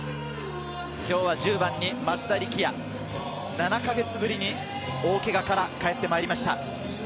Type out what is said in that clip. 今日は１０番に松田力也、７か月ぶりに大けがから帰ってまいりました。